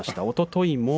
おととい